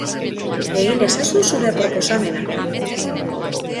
Egin ezazu zure proposamena!